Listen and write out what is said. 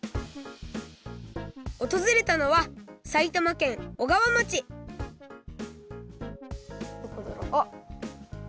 おとずれたのは埼玉県小川町あっ